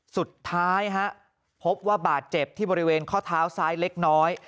สุดท้ายพบว่าบาดเจ็บที่บริเวณข้อเท้าซ้ายเล็กน้อย